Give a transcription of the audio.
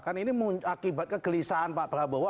kan ini akibat kegelisahan pak prabowo